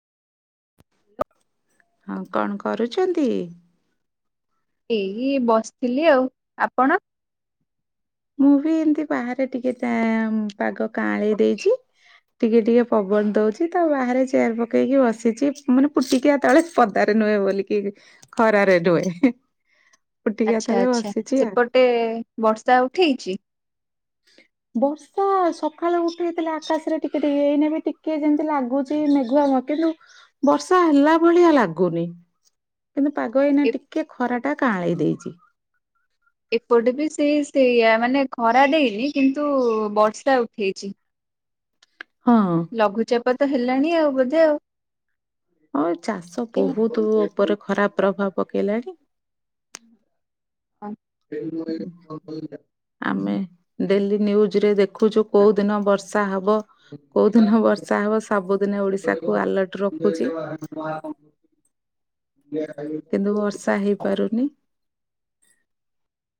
ହଁ କଣ କରୁଛନ୍ତି? ଏଇ ବସିଥିଲି ଆଉ, ଆପଣ? ମୁଁ ବି ଏମିତି ବାହାରେ ଟିକେ ପାଗ କାଁଳେଇ ଦେଇଛି ଟିକେ ଟିକେ ପବନ ଦଉଛି ତ ବାହାରେ ଚେୟାର ପକେଇକି ବସିଛି ମାନେ ପୁଟିକିତେବେଳେ ପଦାରେ ନୁହେଁ ବୋଲିକି ଖରାରେ ରୁହେ। ଆଛା, ଆଛା, ଆଉ। ସେପଟେ ବର୍ଷା ଆଉ ବର୍ଷା ସକାଳୁ ଉଠେଇଥିଲେ ଆକାଶରେ ଟିକେ ଟିକେ, ଏଇନେ ବି ଟିକେ ଯେମିତି ଲାଗୁଛି ମେଘୁଆମ କିନ୍ତୁ ବର୍ଷା ହେଲା ଭଳିଆ ଲାଗୁନି। [inaudible] କିନ୍ତୁ ପାଗ ଏଇନା ଏ ଟିକେ ଖରା ଟା କାଁଳେଇ ଦେଇଛି ଏପଟେ ବି ସେଇ ସେଇଆ, ମାନେ ଖରା ଦେଇନି କିନ୍ତୁ ବର୍ଷା ଉଠେଇଛି। ହଁ ଲଘୁଚାପ ତ ହେଲାଣି ଆଉ ବୋଧେ ଆଉ ହଉ ଚାଷ କି ବହୁତ ଉପରେ ଖରାପ ପ୍ରଭାବ ପକେଇଲାଣି। ହ ପେନ୍ମ [unintelligible] ଡେଲିନ୍ୟୁଜରେ ଦେଖୁଛୁ, କୋଉ ଦିନ ବର୍ଷା ହବ। କୋଉ ଦିନ ବର୍ଷା ହବ, ସବୁଦିନେ ଓଡିଶା କୁ ଆଲର୍ଟ ରଖୁଛି। ଆଜୁ [unintelligible] କିନ୍ତୁ ବର୍ଷା ହେଇପାରୁନି।